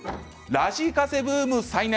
ラジカセブーム再燃！